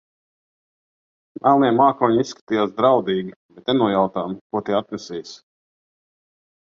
Melnie mākoņi izskatījās draudīgi, bet nenojautām, ko tie atnesīs.